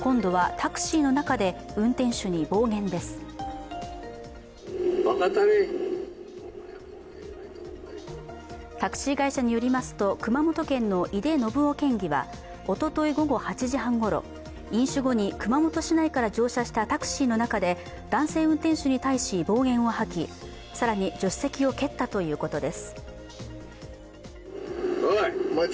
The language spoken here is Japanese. タクシー会社によりますと、熊本県の井手順雄議員はおととい午後８時半ごろ飲酒後に熊本市内から乗車したタクシーの中で、男性運転手に対し暴言を吐き更に助手席を蹴ったということです。